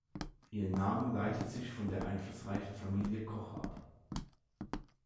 Ihr Name leitet sich von der einflussreichen Familie Koch ab.